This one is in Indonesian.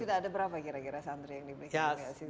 sudah ada berapa kira kira santri yang diberikan